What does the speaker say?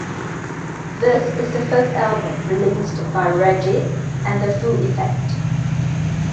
This is the first album released by Reggie and the Full Effect.